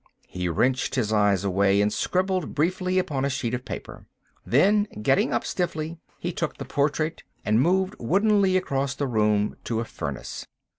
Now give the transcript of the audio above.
He wrenched his eyes away and scribbled briefly upon a sheet of paper. Then, getting up stiffly, he took the portrait and moved woodenly across the room to a furnace.